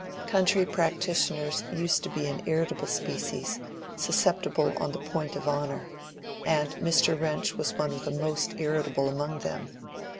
Country practitioners used to be an irritable species, susceptible on the point of honor; and Mr. Wrench was one of the most irritable among them.